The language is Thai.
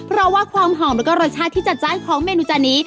เพราะว่าความหอมแล้วก็รสชาติที่จัดจ้านของเมนูจานนี้